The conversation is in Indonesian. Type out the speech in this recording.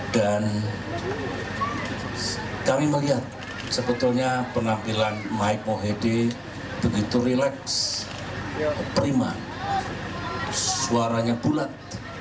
dan kami melihat sebetulnya penampilan mike mohede begitu relax prima suaranya bulat